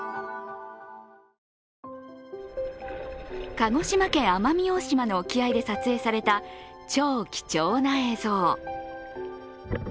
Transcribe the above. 鹿児島県奄美大島の沖合で撮影された超貴重な映像。